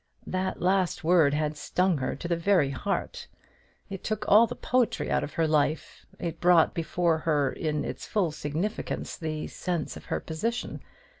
That last word had stung her to the very heart. It took all the poetry out of her life; it brought before her, in its fullest significance, the sense of her position.